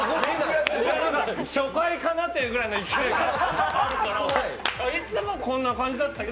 初回かなっていうぐらいの勢いがあるからいつもこんな感じだっけ？